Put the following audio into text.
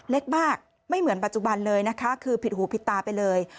เล็กมากไม่เหมือนปัจจุบันเลยนะคะคือผิดหูผิดตาไปเลย